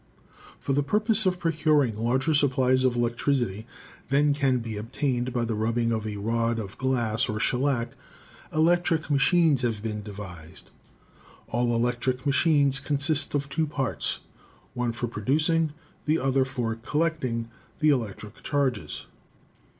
"For the purpose of procuring larger supplies of elec tricity than can be obtained by the rubbing of a rod of glass or shellac, electric machines have been devised. All electric machines consist of two parts, one for producing, the other for collecting, the electric charges.